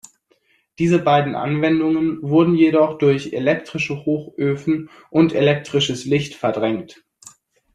Diese beiden Anwendungen wurden jedoch durch elektrische Hochöfen und elektrisches Licht verdrängt.